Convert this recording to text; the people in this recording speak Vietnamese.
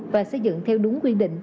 và xây dựng theo đúng quy định